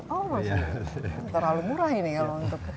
oh masih terlalu murah ini kalau untuk